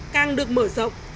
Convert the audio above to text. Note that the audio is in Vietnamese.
càng được mở rộng